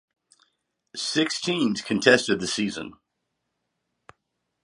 Six teams contested the season.